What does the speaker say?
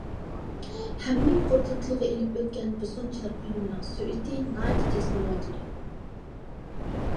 ئەممە يۇقىرىدا تىلغا ئېلىپ ئۆتكەن بۇزغۇنچىلىق ئۈنۈمىنىڭ سۈرئىتى ناھايىتى تېز بولۇۋاتىدۇ.